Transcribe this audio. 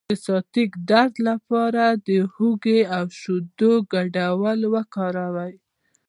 د سیاتیک درد لپاره د هوږې او شیدو ګډول وکاروئ